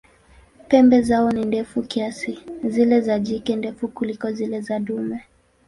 Pembe zao ni ndefu kiasi, zile za jike ndefu kuliko zile za dume.